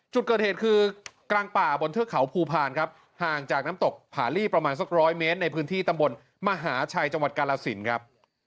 จุดเกิดเหตุคือกลางป่าบนเทือกเขาภูพาลครับห่างจากน้ำตกผาลี่ประมาณสักร้อยเมตรในพื้นที่ตำบลมหาชัยจังหวัดกาลสินครับ